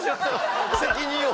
責任を。